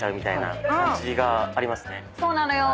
そうなのよ。